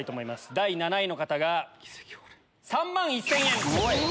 第７位の方が３万１０００円。